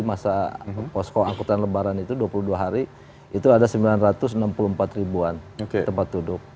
masa posko angkutan lebaran itu dua puluh dua hari itu ada sembilan ratus enam puluh empat ribuan tempat duduk